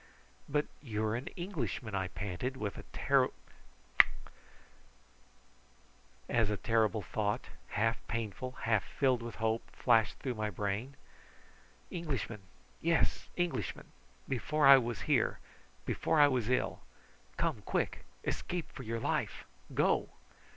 "But you are an Englishman!" I panted, as a terrible thought, half painful, half filled with hope, flashed through my brain. "Englishman! yes Englishman! Before I was here before I was ill! Come, quick! escape for your life! Go!"